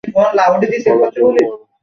বলা শুরু করো।